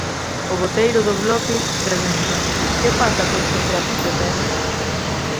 O voceiro do Bloque pregunta "que pasa con contratos de Pemex?".